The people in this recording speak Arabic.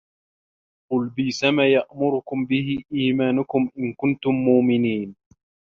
ۚ قُلْ بِئْسَمَا يَأْمُرُكُمْ بِهِ إِيمَانُكُمْ إِنْ كُنْتُمْ مُؤْمِنِينَ